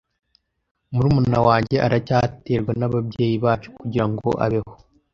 Murumuna wanjye aracyaterwa nababyeyi bacu kugirango abeho.